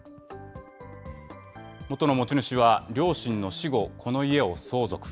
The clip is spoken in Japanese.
もとの持ち主は、両親の死後、この家を相続。